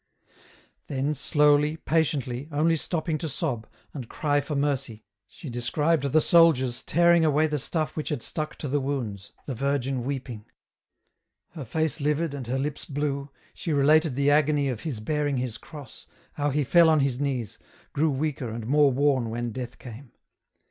Then slowly, patiently, only stopping to sob, and cry for mercy, she described the soldiers tearing away the stuff 140 EN ROUTE. which had stuck to the wounds, the Virgin weeping ; her face livid and her lips blue, she related the agony of His bearing His Cross, how He fell on His knees, grew weaker and more worn when death came.